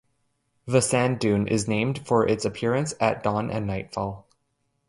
The sand dune is named for its appearance at dawn and nightfall.